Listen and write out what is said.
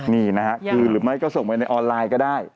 นี่นะฮะคือหรือไม่ก็ส่งไว้ในออนไลน์ก็ได้